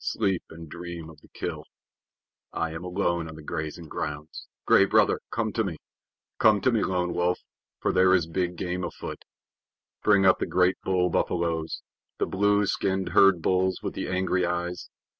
Sleep and dream of the kill. I am alone on the grazing grounds. Gray Brother, come to me! Come to me, Lone Wolf, for there is big game afoot! Bring up the great bull buffaloes, the blue skinned herd bulls with the angry eyes.